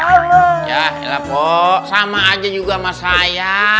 ya ya lah pok sama aja juga sama saya